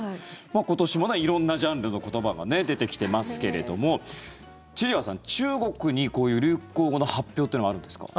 今年も色んなジャンルの言葉が出てきてますけれども千々岩さん、中国にこういう流行語の発表というのはあるんですか？